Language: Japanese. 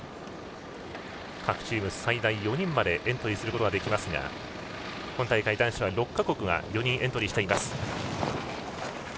各チーム、最大４人までエントリーできますが今大会、男子は６か国が４人エントリーしています。